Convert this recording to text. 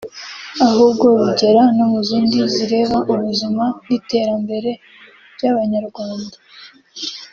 ahubwo bigera no mu zindi zireba ubuzima n’iterambere by’Abanyarwanda